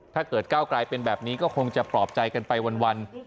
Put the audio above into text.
ถ้าเกิดก้าวกลายเป็นแบบนี้ก็คงจะปลอบใจกันไปวัน